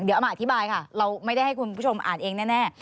เดี๋ยวเอามาอธิบายค่ะเราไม่ได้ให้คุณผู้ชมอ่านเองแน่